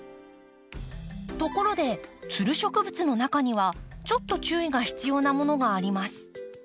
ところでつる植物の中にはちょっと注意が必要なものがあります。